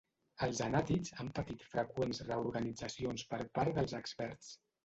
Els anàtids han patit freqüents reorganitzacions per part dels experts.